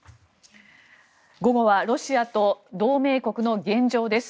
午後はロシアと同盟国の現状です。